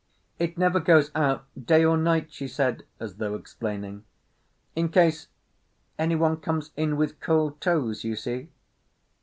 "It never goes out, day or night," she said, as though explaining. "In case any one comes in with cold toes, you see."